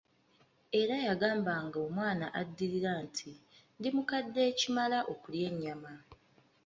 Era yagambanga omwana addirira nti, ndi mukadde ekimala okulya ennyama.